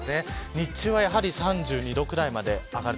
日中は、やはり３２度ぐらいまで上がる。